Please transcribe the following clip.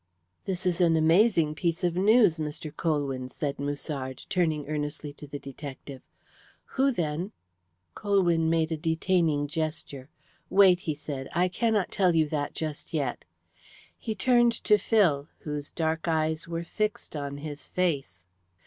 "This is an amazing piece of news, Mr. Colwyn," said Musard, turning earnestly to the detective. "Who, then " Colwyn made a detaining gesture. "Wait," he said. "I cannot tell you that just yet." He turned to Phil, whose dark eyes were fixed on his face.